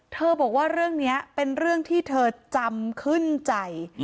บอกว่าเรื่องนี้เป็นเรื่องที่เธอจำขึ้นใจ